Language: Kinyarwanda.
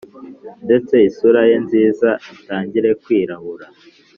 Ndetse isura ye nziza itangire kwirabura